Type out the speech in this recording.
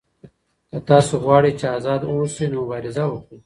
که تاسو غواړئ چې آزاد اوسئ نو مبارزه وکړئ.